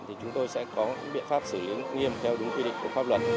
thì chúng tôi sẽ có biện pháp xử lý nghiêm theo đúng quy định của pháp luật